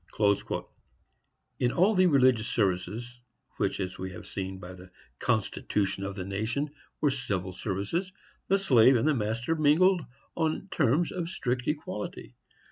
In all the religious services, which, as we have seen by the constitution of the nation, were civil services, the slave and the master mingled on terms of strict equality.